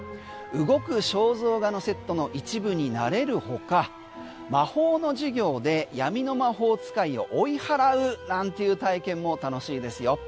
動く肖像画のセットの一部になれるほか魔法の授業で闇の魔法使いを追い払うなんていう体験も楽しいですよ。